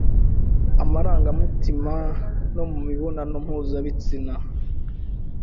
amarangamutima no mu mibonano mpuzabitsina